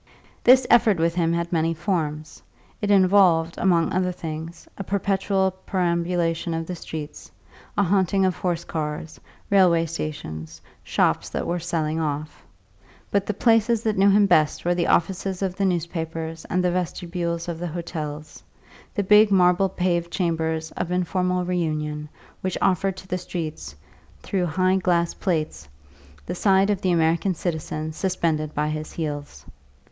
This effort with him had many forms; it involved, among other things, a perpetual perambulation of the streets, a haunting of horse cars, railway stations, shops that were "selling off." But the places that knew him best were the offices of the newspapers and the vestibules of the hotels the big marble paved chambers of informal reunion which offer to the streets, through high glass plates, the sight of the American citizen suspended by his heels.